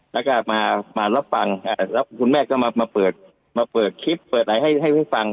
แล้วก็มารับฟังแล้วคุณแม่ก็มาเปิดมาเปิดคลิปเปิดอะไรให้ผู้ฟัง